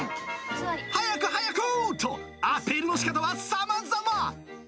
早く早くと、アピールのしかたはさまざま。